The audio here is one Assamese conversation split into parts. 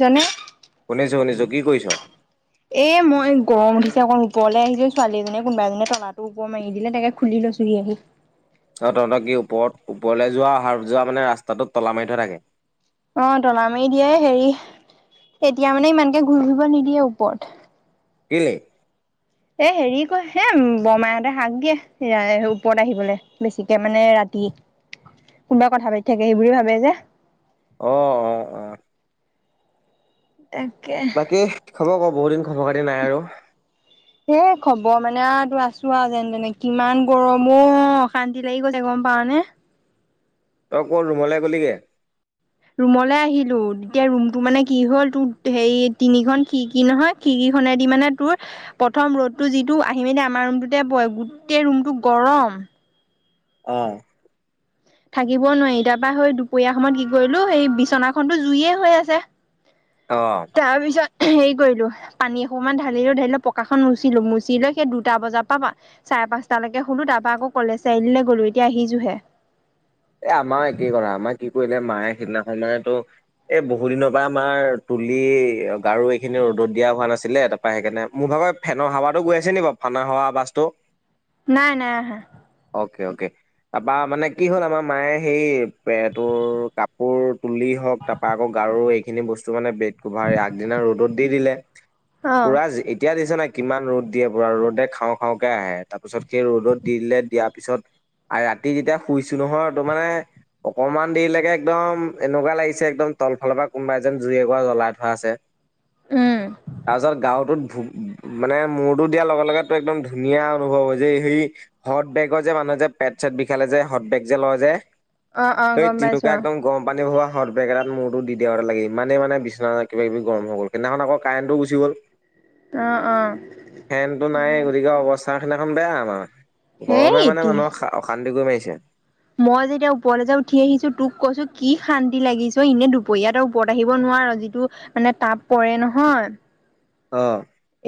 জানে শুনিছো শুনিছো কি কৰিছ এ মই গৰম উঠিছে অলপ ওপৰলৈ আহিছো সোৱী এজনীয়ে কোনোবা এনে তলা ওপৰ মাৰি দিলে তে খুলি লৈছোহি আহি অ তহঁতৰ কি ওপৰত ওপৰলৈ যোৱা অহ যোৱা মানে ৰাস্তাটোত তলা মাৰি থৈ থাকে। অ তলা মাৰি দিয়ে হেৰি। এতিয়া মানে ইমানকে ঘূৰি ফুৰিব নিদিয়ে ওপৰত কেলে এ হেৰি কয় হে বৰমাইহঁতে শাক দিয়ে ওপৰত আহিবলৈ বেছিকে মানে ৰাতি কোনোবাই কথা পাতি থাকে সেইবোৰে ভাবে যে আহ অ অ তাকে বাকী খবৰ কব বহুত দিন খবৰ খাতি নাই আৰু বৰ মানে আৰু তো আছো আৰু যেন তেনে কিমান গৰমো অশান্তি লাগি গৈছে গম পাৱ নে তই ক'ত ৰুমলৈ ক'লিগৈ ৰুমলে আহিলো তেতিয়া ৰুমটো মানে কি হ'ল তোৰ হেৰি তিনিখনন খিৰকি নহয় খ কি খনে দি মানে তোৰ প্ৰথম ৰ'দতটো যিটো আহি মে আমাৰ ৰুমটোতে প গোটেই ৰুমটো গৰম বা আহ থাকিব নোৱাৰি তাৰ পৰা স দুপৰীয়া সময়ত কি কৰিলো স বিচনাখনতো জুইয়ে হৈ আছে। তাৰ পিছত। হেৰি কৰিলো পানী অকমান ঢালিলো ঢালিলো পকাখন মুচিলো মুচিলৈ সেই দুটা বজাৰ পৰা চাৰে পাঁচটা লৈকে শুলো তাৰপৰা আকৌ কলেজ চাৰিআলি লৈ গ'লো এতিয়া আহিছোহে। এ আমাৰ একেই কৰা আমাৰ কি কৰিলে মায়ে সেই দিনাখনেটো এই বহু দিনৰ পৰা আমাৰ তুলি গাৰু এইখিনি ৰ'দত দিয়া হোৱা নাছিলে তাৰ পৰা সেইকাৰণে মোৰ ভাগৰ ফেনৰ হাৱাতো গৈ আছে নি বাৰু হোৱা বাছটো। নাই নাই আহা। অ'কে অ'কে তাৰপা মানে কি হ'ল আমাৰ মায়ে সেই পেটোৰ কাপোৰ। তুলি হওঁক তাপা আকৌ গাৰু এইখিনি বস্তু মানে বেড কভাৰ আগদিনা ৰ'দত দি দিলে। অ পুৰা এতিয়া দিছে নাই কিমান ৰ'দ দিয়ে পুৰা ৰ'দে খাওঁ খাওঁকে আহে তাৰ পিছত সেই ৰ'দত দিলে দিয়াৰ পিছত। আৰু ৰাতি যেতিয়া শুইছো নহয় ত মানে অকমান দেৰিলৈকে একদম এনেকুৱা লাগিছে একদম তলফালৰ পৰা কোনোবা এজন জুই এক জ্বলাই থোৱা আছে। উম তাৰপিছত গাওটোত মানে মূৰটো দিয়াৰ লগে লগে ত একদম ধুনীয়া অনুভৱ হয় যে সেই হট বেগৰ যে মানুহ যে পেট চেট বিষালে যে হটবেগ যে লয়। যে অ অ সেই গম তেনেকুৱা পাইছো একদম গৰম পানী লোৱা হট বেগ এটাত মৰটো দি দিয়া গোটে লাগে ইমানেই মানে বিছনা কিবি গৰম হৈ গ'ল সেইদিনাখন আক কাৰেনটো গুচি গ'ল। অ অ অ ফেনতটো নাই গতিকে অৱস্থা সেইদিনাখন বেয়া আমাৰ সেই গৰমে মানে এতিয়া মানুহক অশান্তি কৰি মাৰিছে। মই যেতিয়া ওপৰলৈ যে উঠি আহিছো তোক কৈছো কি শান্তি লাগিছে‌ অ এনে দুপৰীয়া ত ওপৰত আহিব নোৱাৰ। আৰু যিটো মানে তাপ পৰে নহয়। অ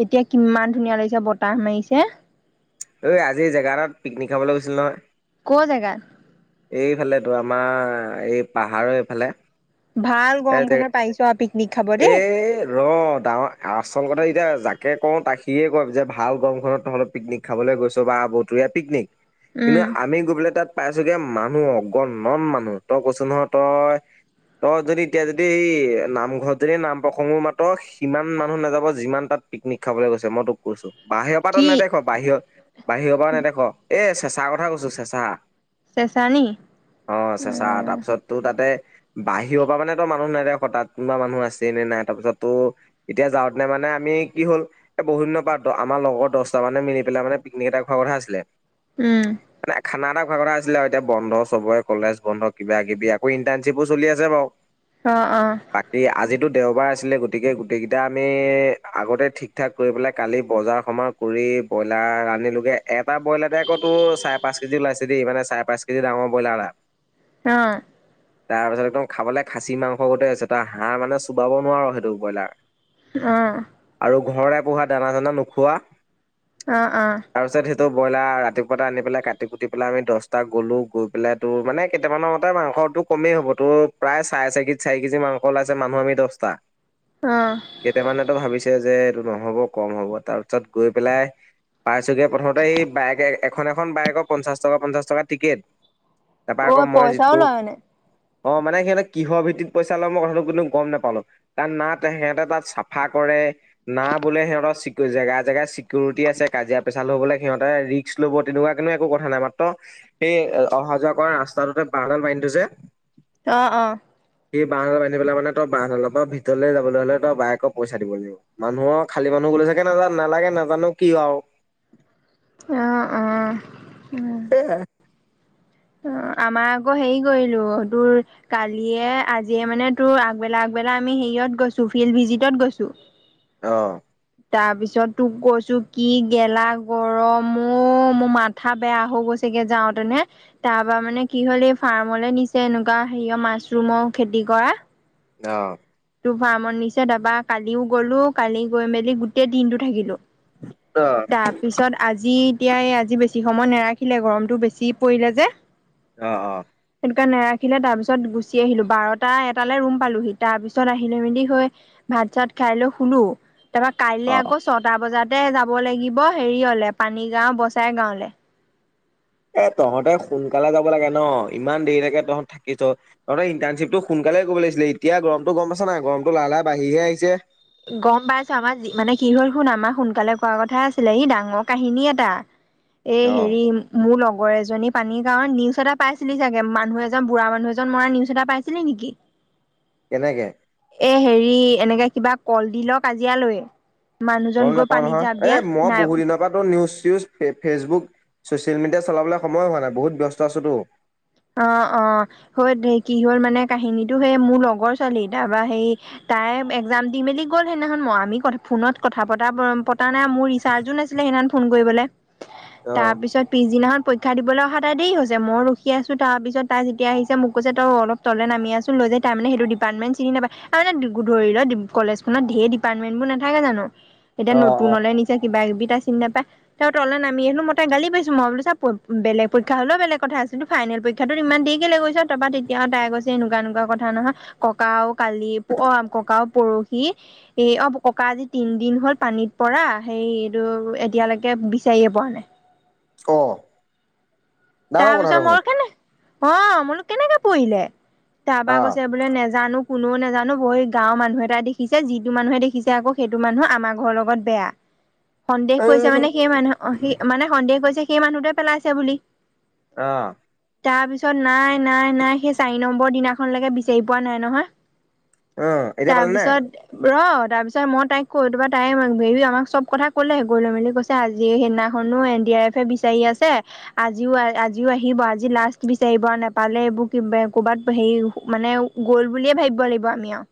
এতিয়া কিমান ধুনীয়া লাগিছে বতাহ মাৰিছে। ঐ আজি জেগা এটাত পিকনিক খাবলৈ গৈছিল নহয়। কৰ জেগা? এইটো আমাৰ এই পাহাৰৰ এইফালে ভাল এ গৰম জেগা খনৰ পাৰিছো আ পিক এ ৰ ডাঙৰ আচল কথা এতিয়া জা কে কওঁ তাখিয়েই কয় যে ভাল গমখনত তহঁত পিকনিক খাবলৈ গৈছোঁ বা আবতৰীয়া পিকনিক। কিন্তু উম আমি গৈ পেলায় তাত পাইছোগে মানুহ অগ নন মানুহ তই কৈছো নহয় তই তই যদি এতিয়া যদি এই নামঘৰত। যদি নাম প্ৰসংগৰ মাত সিমান মানুহ নাযাব যিমান তাত পিকনিক খাবলৈ গৈছে মই তোক কৈছো। বাহিৰৰ পৰা তো কি নেদেখ বাহিৰৰ বাহিৰৰ পৰা নেদেখ এ চেচাৰ কথা কৈছো চেচা। চেচা নি অ চেচা উম তাৰপিছত তোৰ তাতে বাহিৰৰ পৰা মানে তই মানুহ নেদেখ তাত কোনোবা মানুহ আছে নে নাই তাৰপিছত তো এতিয়া যাওঁতে মানে আমি কি হ'ল এই বহুদিনৰ পা আমাৰ লগৰ দহটা মানে মিলি পেলাই মানে পিকনিক এটা খোৱা কথা আছিলে উম মানে খানা এটা খোৱাৰ কথা আছিলে আৰু এতিয়া বন্ধ চবৰে কলেজ বন্ধ কিবা কিবি আকৌ ইণ্টাৰ্নশ্বিপো চলি আছে বাৰু অ অ। বাকী আজিতো দেওবাৰ আছিলে গতিকে গোটেইকেইটা আমি আগতে ঠিক ঠাক কৰি পেলাই কালি বজাৰ সমাৰ কৰি ব্ৰইলাৰ আনিলোগে এটা ব্ৰইলাৰতে আকৌ তোৰ চাৰে পাঁচ কেজি ওলাইছে দেই মানে চাৰে পাঁচ কেজি ডাঙৰ ব্ৰইলা এটা। অ তাৰপিছত একদম খাবলৈ খাচী মাংস গোটেই আছে তাৰ হাড় মানে চুবাব নোৱাৰো সেইটো ব্ৰইলাৰ আহ ত ঘৰৰে পোহা দানা চানা নোখোৱা। অ অ তো ব্ৰইলাৰ ৰাতিপুৱাতে আনি পেলাই কাটি কুটি পেলাই আমি দহটা গলো গৈ পেলাই তোৰ মানে কেইটামানৰ মতে মাংস। খৰটো কমেই হ'ব তোৰ, প্ৰায় চাৰে চাই চাৰি কেজি মাং খ ওলাইছে মানুহ আমি দহটা, অ কেইটামানেতো ভাবিছে যে টো নহ'ব কম হ'ব, তাৰ পিছত গৈ পেলাই পাইছোঁগে, প্ৰথমতে এই বাইকে এখন-এখন বাইকৰ পঞ্চাছ টকা, পঞ্চাশ টকা টিকেট। তাৰপা অ আকৌ মই পইচাও যিটো, লয় মানে অ মানে সিহঁতে কিহৰ ভিত্তিত পইচা লয় মই কথাটো বোলো গম নাপালো, কাৰণ না সিহঁতে তাত চাফা কৰে, না বোলে সিহঁতৰ চিকিৰ জেগা এটা জেগাত চিকিউৰিটি আছে, কাজিয়া পেচাল হ'বলে সিহঁতে ৰিক্স ল'ব, তেনেকুৱা কিন্তু একো কথা নাই। মাত্ৰ সেই এই অহা যোৱা কৰা ৰাস্তাটোতে বাঁহডাল বান্ধি থইছে। অ-অ ই [unintelligible] আহি পেলাই মানে ত বাহিৰৰ পৰা ভিতৰলে যাবলৈ হ'লে তই বাইকৰ পইচা দিব লাগিব, মানুহৰ খালী মানুহ গ'লে সেই নাজানো। নালাগে, নাজানো কি আৰু অহ-অহ সেইয়াই অ আমাৰ আকৌ হেৰি কৰিলো, তোৰ কালিয়ে, আজিয়ে মানে তোৰ আগবেলা-আগবেলা আমি হেই হেৰিয়ত গৈছো, ফিল্ড ভিজিটত গৈছো। অ'হ তাৰপিছত তোক কৈছো, কি গেলা গৰম অ, মোৰ মাথা বেয়া হৈ গৈছে। তাকে যাওঁ তেনে। তাৰ পৰা মানে কি হ'ল এই ফাৰ্মলে নিছে, এনেকুৱা হেৰিয় মাছৰুমৰ খেতি কৰা অ'হ সেইটো ফাৰ্মত নিছে, তাৰপা কালিও গ'লো, কালি গৈ মেলি গোটেই দিনটো থাকিলো। অ তাৰপিছত আজি এতিয়া এই আজি বেছি সময় নাৰাখিলে, গৰমতো বেছি পৰিলে যে। আহ-আহ তাত নেৰাখিলে তাৰ পিছত গুচি আহিলো, বাৰটা, এটালে ৰুম পালোহি, তাৰ পিছত আহিলোঁ ৰেলি হৈ ভাত-চাত খাই লৈ শুলো, তাৰপা অ কাইলে অ আকৌ ছয়টা বজাতে যাব। যাব লাগিব, হেৰিয়লে পানীগাওঁ, বচাই গাওঁলে। এ তহঁতে সোনকালে যাব লাগে ন, ইমান দেৰিলৈকে তহঁত থাকিছ, তহঁতৰ এই ইণ্টাৰণশ্বিপটো সোনকালে সোনকালে কৰিব লাগিছিলে, এতিয়া গৰমতো গম পাইছ নাই, গৰমটো লাহে-লাহে বাঢ়িহে আহিছে। গম পাইছো, আমাৰ মানে কি হ'ল শুনা, আমাৰ সোনকালে কোৱা কথা আছিলে, ই ডাঙৰ কাহিনী এটা। এ অ। হেৰি মোৰ লগত লগৰ এজনী পানীৰ কাৰণ নিউজ এটা পাইছিলি চাগে, মানুহ এজন, বুঢ়া মানুহ এজন মৰা, নিউজ এটা পাইছিলি নেকি? [inaudible] কেনেকে? এ হেৰি, এনেকে কিবা কলদিলৰ কাজিয়ালৈয়ে। গম নাপাওঁ নহয়, এই মই বহুদিনৰ পৰাতো নিউজ-চিউজ, ফেচবুক ছ'চিয়েল মিডিয়া চলাবলৈ সময়ো হোৱা নাই। বহুত ব্যস্ত আছোতো। অ-অ, হয় দে কি হ'ল মানে কাহিনীটো সেই মোৰ লগৰ ছোৱালী, তাৰপা সেই তাই এক্জাম দি মেলি গ'ল সেইদিনাখন, মই আমি কথা ফোনত কথা পতাবোৰ, পতা নাই মোৰ ৰিচাৰ্জো নাছিলে। সেইদিনাখন ফোন কৰিবলে, অ। তাৰ পিছত পিছদিনাখন পৰীক্ষা দিবলৈ অহা তাই দেৰি হৈছে। মই ৰখি আছো, তাৰ পিছত তাই যেতিয়া আহিছে, মোক কৈছে তই অলপ তললে নামি আছোন, লৈ যা, তাই মানে সেইটো ডিপাৰ্টমেণ্ট চিনি নাপায়। আৰু এ ধৰি ল ডিব্ৰু কলেজখনত ধেৰ ডিপাৰ্টমেন্ট বোৰ নাথাকে জানো, এতিয়া অ অ। নতুনলে নিচে [unintelligible] কিবা-কিবি এটা, চিন্তা এটা সেই তললে নামি আহিলোঁ, মই তাইক গালি পাৰিছো। মই বোলো চব বেলেগ পৰীক্ষা হ'লেও বেলেগ কথা আছে। কিন্তু ফাইনেল পৰীক্ষাটোত ইমান দেৰি কেলে গৈছে? তাৰপা তেতিয়া তাই কৈছে এনেকুৱা-এনেকুৱা কথা নহয়, ককাও কালি ৰাতিপুৱা, ককাও পৰহি অ, ককা আজি তিনদিন হ'ল পানীত পৰা, সেই কিন্তু এতিয়ালৈকে বিচাৰিয়ে পোৱা নাই। ক তাৰপিছত মোৰ কেনে, অ, মোৰ বোলো কেনেকে পৰিলে? অ তাৰপা কৈছে বোলে নেজানো। কোননেও নাজানো বহ গাঁৱৰ মানুহ এটা দেখিছে যিটো মানুহে দেখিছে আকৌ সেইটো মানুহ আমাৰ ঘৰৰ লগত বেয়া সন্দেহ অ কৈছে মানে সেই মানুহ স মানে সন্দেহ কৈছে সেই মানুহটোৱে পেলাইছে বুলি আহ তাৰ পিছত নাই নাই নাই সেই চাৰি নম্বৰ দিনাখনলৈকে বিচাৰি পোৱা নাই নহয়। অ এতিয়া পালে নে? তাৰপিছত ৰ তাৰপিছত মই তাইক কৈ তা তাই হেৰি আমাক চব কথা ক'লেহ গৈ লৈ মেলি কৈছে আজি সেইদিনাখনো এ বিচাৰি আছে আজিও আজিও আহিব আজি লাষ্ট বিচাৰিব নাপালে এইবোৰ ক ক'বাত হেৰি মানে বুলিয়ে ভাবিব লাগিব আমি আৰু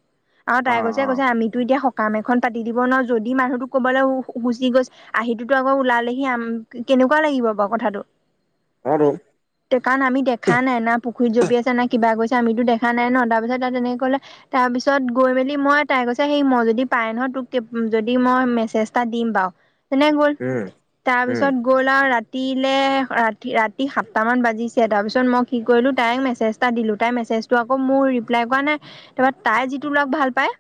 আৰু অ তাই কৈছে অ কৈছে আমিতো এতিয়া কাম এখন পাতি দিব নোৱাৰো যদি মানুহতো ক'বলৈ শুচি গৈছে আহিটোতো আকৌ ওলালেহিম কেনেকুৱা লাগিব বাৰু কথাটো অ তো সেই কাৰণ আমি দেখা নাই না পুখুৰীত জপিয়াই আছে না কিবা গৈছে। আমিতো দেখা নাই ন তাৰ পিছত তাই তেনেকলে তাৰ পিছত গৈ মেলি মই তাই কৈছে সেই মই যদি পাই নহ য মই মে দিম বাৰ তেনে গ'ল উম উম তাৰপিছত গ'ল আৰু ৰাতিলে ৰা ৰাতি সাতটা মান বাজিছে তাৰপিছত মই কি কৰিলো তাই মেছেজটা দিলো তাইৰ মেছেজটো আকৌ মোৰ ৰিপ্লাই তেনেকুৱা নাই তাপা তাই যিটো লৰাক ভাল পায়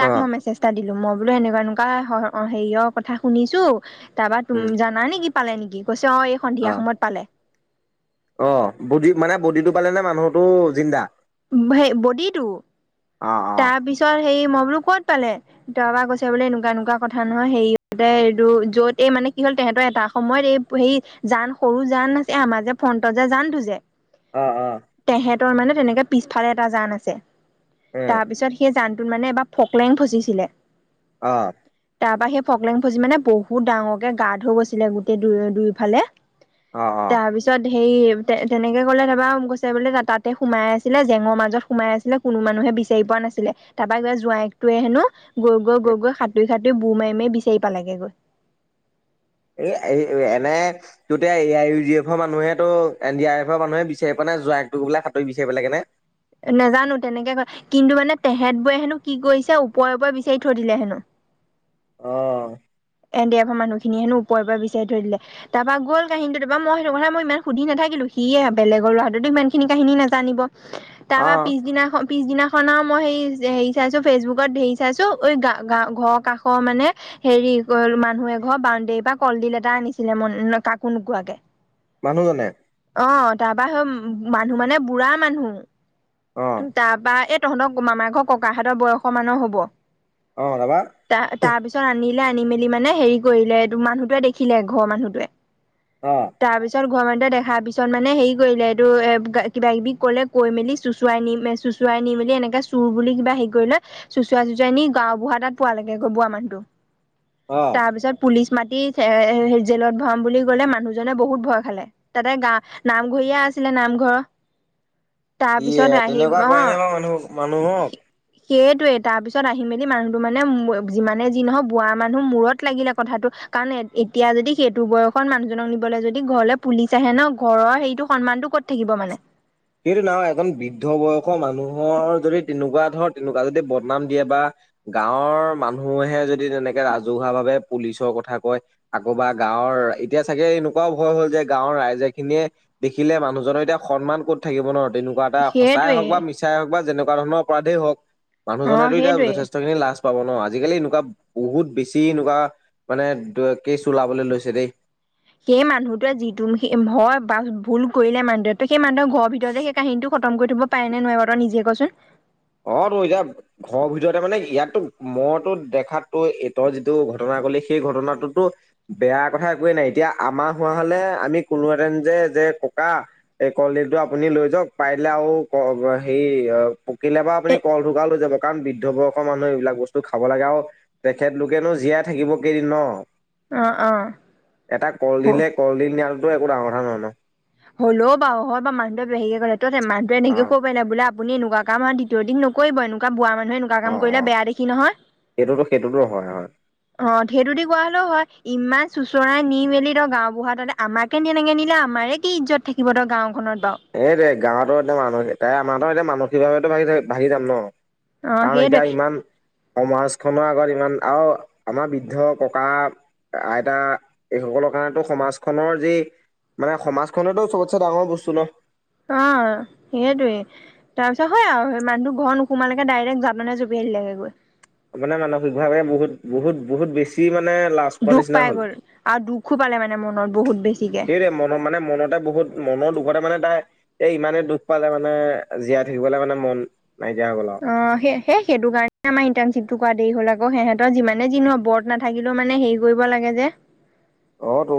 অ মই মেছেজটা দিলো মই বোলো এনেকুৱা এনেকুৱা হেৰিয়ৰ কথা শুনিছো তাৰপা ত উম জানা নেকি পালে নেকি কৈছে অ এই সন্ধিয়া অ সময়ত পালে অ বুডি মানে বুডিটো পালে নে মানুহতো জিন্দা [unintelligible] সেই বডি টো অ অ। তাৰপিছত সে মই লো ক'ত পালে তাৰ পৰা গৈছে বোলে একুৱা না কথা নহয় সেৰিতে এইটো য'ত এই মানে কি হ'ল সিহত এটা সময়ত এই সে জান সৰু জান আছে আমাৰ যে ফ্ৰণ্টত যে জানটো যে অ অ তেহেঁতৰ মানে তেনেকে পিছফালে এটা জান আছে তাৰপিছত সেই জানটোত মানে এবাৰ ফকলেং ফচিছিলে আহ তাৰপৰা সেই ফকলেং ফজি মানে বহুত ডাঙৰকে গাট হৈ গৈছিলে গোটেই দু দুইফালে অ অ তাৰপিছত সেই তেনেকে কলে তাবা কৈছে বোলে তাতে সোমাই আছিলে জেঙৰ মাজত সোমাই আছিলে কোনো মানুহে বি চাৰি পোৱা নাছিলে তাৰপা কিবা জোৱাইকটোৱে হেনো গৈ গৈ গৈ গৈ সাতুৰি কথাটো বু মাই মে বিচাৰি প লাগেগৈ এ এনে ততিয়া এ আই ইউ ডি এফৰ মানুহেতটো এন ডি আৰ এফৰ মানুহে বিচাৰি পোৱা নাই। জোৱাইকটো বোলে সাঁতুৰি বিচাৰিব লাগে নে? নাজানো তেনেকে কৈছে কিন্তু মানে তেহেত বোৰে হেনো কি কৰিছে ওপৰে ওপৰে বিচাৰি থৈ দিলে হেনো। আহ এ ড এফ মানুখিনিয়ে হেনো ওপৰে ওপৰে বিচাৰি থৈ দিলে তাৰপা গল কাহিনীটো তাৰ মই সেইটো কথা ইমান সুধি নাথাকিলো। সি যে বেলেগৰ লৰাটোতো ইমান খিনি কাহিনী নাজানিব অ তাৰপা পিছদিনা পিছদিনাখন মই হে হেৰি চাইছোঁ ফেচবুকত হেৰি চাইছোঁ ঘৰ কাষৰ মানে হেৰি মানুহ এঘৰ বাউণ্ডেৰী পাৰ কলডিল এটা আনিছিলে ম কাকো নোকোৱাকে মানুহজনে অ তাৰপৰা হয় মানুহ মানে বুঢ়া মানুহ অ তাৰপৰা এই তহঁতৰ মামাৰ ঘৰ ককাহঁতৰ বয়সৰ মানৰ হব অ তাৰপা ত তাৰপিছত আনি আনি মেলি মানে হেৰি কৰিলে এইটো মানুহটোৱে দেখিলে ঘৰৰ মানুহটোৱে অ তাৰপিছত ঘৰ মানহ দেখা পিছত মানে হেৰি কৰিলে এইটো এ কিবা কিবি কলে কৈ মেলি চুচৱাই নি চুঁচৱাই নি মেলি বুলি এনেকে চুৰ বুলি কিবা হেৰি কৰি লয় চুচৱাই চুচৱাই নি গাওঁ বুঢা তাত পোৱা লেগে। বুঢ়া মানুহটো অ তাৰপিছত পুলিছ মাতি জেলত ভৰাম বুলি কলে মানুহজনে বহুত ভয় খালে তাতে গা নামঘৰীয়া আছে নামঘৰ ই তাৰপিছ তেনেকুৱা কৰে নাই বাৰু মানুহ মানুহক সেইটোৱে তাৰ পিছত আহি মেলি মানুহটো মানে যিমানে যি নহওক বুঢ়া মানুহ মূৰত লাগিলে কথাটো কাৰণ এতিয়া যদি সেইটো বয়সত মানুহজনক নিবলৈ যদি ঘৰলৈ পুলিচ আহে ন ঘৰৰ সেইটো সন্মান কত থাকিব মানে? সেইটো নহ এজন বৃদ্ধ বয়সৰ মানুহৰ যদি তেনেকুৱা ধৰ তেনেকুৱা যদি বদনাম দিয়ে বা গাঁৱৰ মানুহে যদি তেনেকে ৰাজহুৱা ভাৱে পুলিচৰ কথা কয়, আকৌবা গাঁৱৰ গৰ এতিয়া চাগে এনেকুৱাও ভয় হ'ল যে গাঁৱৰ ৰাইজে খিনিয়ে দেখিলে মানুহজনৰ এতিয়া সন্মান থাকিব ন তেনেকুৱা এটা সঁচাই সেইটোৱে হওক বা মিছাই হওক বা যেনেকুৱা ধৰণৰ অপৰাধেই হওঁক অ মানুহজনে এতিয়া সেইটোৱে যথেষ্টখিনি লাজ পাব ন আজিকালি এনেকুৱা বহুত বেছি এনেকোৱা মানে কেইচ ওলাবলৈ লৈছে দেই সেই মানুহটোৱে যিটো হয় বা ভুল কৰিলে মানুহতো সেই মানুহৰ ঘৰৰ ভিতৰতে সেই কাহিনীটো খতম কৰি থব পাৰে নে নোৱাৰে বাৰু তই নিজে কচোন, অ তোৰ এতিয়া ঘৰৰ ভিতৰতে মানে ইয়াতো মইতো দেখাত তো এটোৰ যিটো ঘটনা সেই ঘটনাটোতো বেয়া কথা একোৱে নাই এতিয়া আমাৰ হোৱা হলে আমি কলো হতেন যে যে ককা এই কলডিলটো আপুনি লৈ যাওক পাৰিলে আৰু হে কেতিয়াবা এ আপুনি কল থুকা লৈ যাব কাৰণ বৃদ্ধ বয়সৰ মানুহে এইবিলাক বস্তু খাব লাগে আৰু তেখেতলোকেনো জীয়াই থাকিব কেইদিন ন অ এটা অ কলডিলে কলডিল নিয়াতো একো ডাঙৰ কথা নহয় ন হ'ও লেওঁবাও হয় [unintelligible] অ নাই বোলে আপুনি এনেকুৱা কাম আৰু দ্বিতীয় দিন নকৰিব এনেকুৱা বুঢ়া মানুহ এনেকুৱা অ কাম কৰিলে অ বেয়া দেখি নহয় সেইটোতো সেইটোতো হয় হয় আহ হেইটোদি কোৱা হলেও হয়। ইমান চোচৰাই নি মেলি ত গাওবুঢ়া ততে আমাকে তেনেকে নিলে আমাৰে কি ইজ্জত থাকিব ত গাঁওখনত এই দে গাঁৱতো এতিয়া মানসিক তাই আমাৰো এতিয়া মানসিকভাৱো ভি থ ভাঙি যাম ন। অ কাৰণ এতিয়া সেইটোৱে ইমান সমাজখনৰ আগত ইমান আৰু আমাৰ বৃদ্ধ ককা আইতা এই সকলৰ কাৰণেতো সমাজখনৰ যি মানে সমাজখনতো চবতছে ডাঙৰ বস্তু ন। অ। অ সেইটোয়ে তাৰপিছত হয় আও, সেই মানুহটো ঘৰ নোসুমালেগে ডাইৰেক্ট জানতে জপিয়াই দিলেগে গৈ। মানে মানসিকভাৱে বহুত বহুত বহুত বেছি মানে লাজ পোৱা দুখ নিচিনা পাই হ'ল গ'ল আৰু দুখো পালে মানে মনত বহুত বেছি সেইটোৱেই, মন মানে মনতে বহুত মনৰ দুখতে মানে নাই এ ইমানেই দুখ পালে মানে জীয়াই থাকিবলে মানে মন নাইকিয়া হৈ গ'ল আৰু অ সেইটো কাৰণে আমাৰ ইণ্টাৰ্ণচিপটো কৰাত দেৰি হ'ল আকৌ সিহঁতৰ যিমানে যি নহওঁক বত নাথাকিলেও মানে হেৰি কৰিব লাগে যে। অ টো।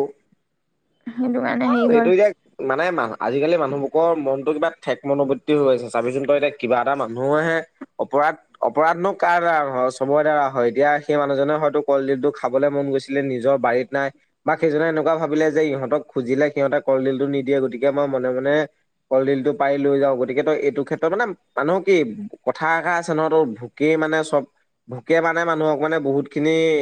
সেইটো কাৰণে হেৰি হ'ল এইটো এতিয়া মানে ম আজিকালি মানুহবোৰ মনতো কিবা ঠেক মনোবৃত্তি হৈ আছে চাবিচোন তই এতিয়া কিবা এটা মানুহেহে অপৰাধ অপৰাধ কাতনো কাৰ দাৰ চবৰে দাৰ হয় এতিয়া সেই মানুহজনে হয়তো কলডিলটো খাবলে মন গৈছিলে নিজৰ বাৰীত নাই বা সেইজনে এনেকুৱা ভাবিলে যে ইহঁতক খুজিলে সিহঁতে কলডিলটো নিদিয়ে গতিকে মই মনে মনে কলডিলটো পাই লৈ যাওঁ গতিকে তই এইটো ক্ষেত্ৰত মানে মানুহ কি কথা এখাৰ আছে নহয় তোৰ ভুকেই মানে চব ভকে মানে মানুহক মানে বহুত খিনি